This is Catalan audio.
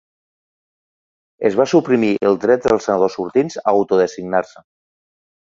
Es va suprimir el dret dels senadors sortints a auto designar-se.